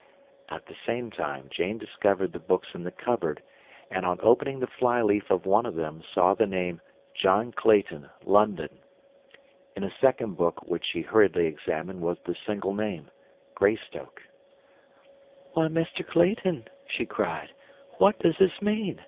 At the same time, Jane discovered the books in the cupboard, and on opening the fly leaf of one of them saw the name, John Clayton, London. In a second book which she hurriedly examined was the single name, Greystoke. "Why, Mr. Clayton," she cried, "what does this mean?